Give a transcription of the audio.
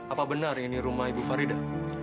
apa benar ini rumah ibu farida